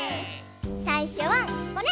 さいしょはこれ。